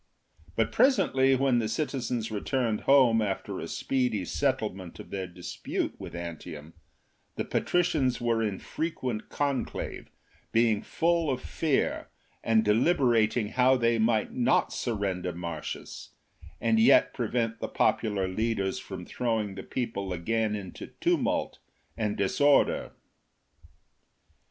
But presently, when the citizens returned home after a speedy settlement of their dispute with Antium, the patricians were in frequent conclave, being full of fear, and deliberating how they might not surrender Marcius, and yet pre vent the popular leaders from throwing the people again into tumult and disorder.